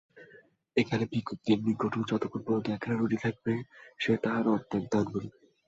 এখানে ভিক্ষুকের নিকটও যতক্ষণ পর্যন্ত একখানা রুটি থাকিবে, সে তাহার অর্ধেক দান করিবে।